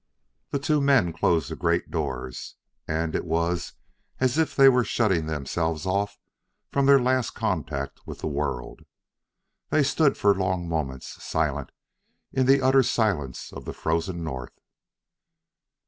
The two men closed the great doors, and it was as if they were shutting themselves off from their last contact with the world. They stood for long moments, silent, in the utter silence of the frozen north.